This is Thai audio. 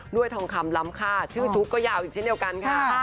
ทองคำล้ำค่าชื่อชุกก็ยาวอีกเช่นเดียวกันค่ะ